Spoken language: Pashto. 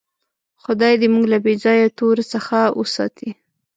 خدای دې موږ له بېځایه تور څخه وساتي.